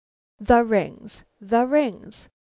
The rings! the rings!